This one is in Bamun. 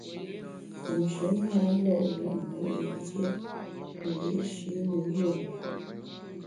Nji na lo’ yètne yin dié wiyi’shi ne yùe lùm.